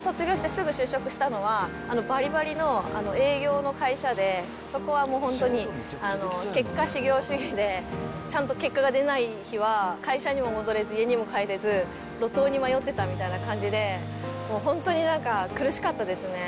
大学卒業してすぐ就職したのは、ばりばりの営業の会社で、そこはもう本当に結果至上主義で、ちゃんと結果が出ない日は会社にも戻れず、家にも帰れず、路頭に迷ってたみたいな感じで、もう本当になんか、苦しかったですね。